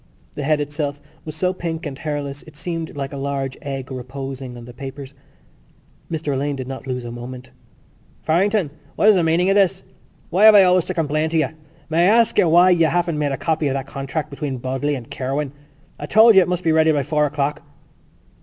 The head itself was so pink and hairless it seemed like a large egg reposing on the papers. Mr Alleyne did not lose a moment: "Farrington? What is the meaning of this? Why have I always to complain of you? May I ask you why you haven't made a copy of that contract between Bodley and Kirwan? I told you it must be ready by four o'clock."